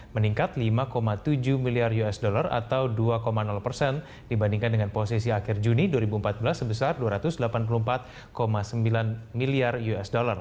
meningkat lima tujuh miliar usd atau dua persen dibandingkan dengan posisi akhir juni dua ribu empat belas sebesar dua ratus delapan puluh empat sembilan miliar usd